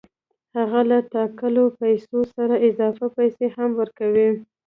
هغه له ټاکلو پیسو سره اضافي پیسې هم ورکوي